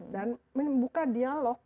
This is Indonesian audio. dan membuka dialog